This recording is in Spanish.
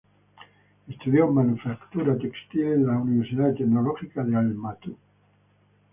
Estudió manufactura textil en la Universidad Tecnológica de Almatý.